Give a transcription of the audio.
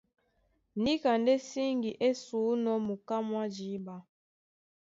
Níka ndé síŋgi é sǔnɔ́ muká mwá jǐɓa.